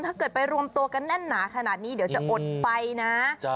ถ้าเกิดไปรวมตัวกันแน่นหนาขนาดนี้เดี๋ยวจะอดไฟนะ